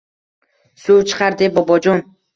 Suv chiqar der Bobojon.